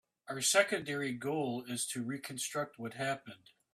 Our secondary goal is to reconstruct what happened.